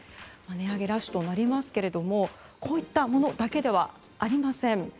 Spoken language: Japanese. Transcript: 値上げラッシュとなりますけれどもこういったものだけではありません。